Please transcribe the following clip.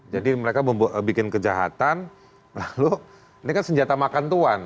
jadi mereka membuat bikin kejahatan lalu ini kan senjata makan tuan